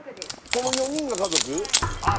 この４人が家族？